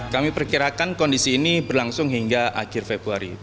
kami perkirakan kondisi ini berlangsung hingga akhir februari